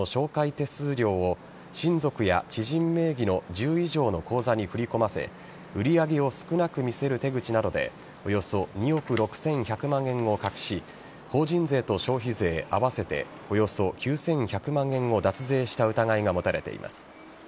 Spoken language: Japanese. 手数料を親族や知人名義の１０以上の口座に振り込ませ売上を少なく見せる手口などでおよそ２億６１００万円を隠し法人税と消費税合わせておよそ９１００万円を脱税した疑いが持たれています。